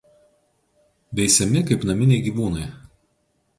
Veisiami kaip naminiai gyvūnai.